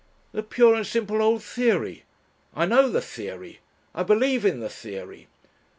"The pure and simple old theory. I know the theory. I believe in the theory.